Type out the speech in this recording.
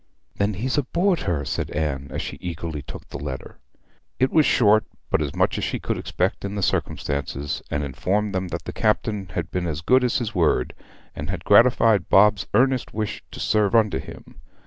'Then he's aboard her,' said Anne, as she eagerly took the letter. It was short, but as much as she could expect in the circumstances, and informed them that the captain had been as good as his word, and had gratified Bob's earnest wish to serve under him.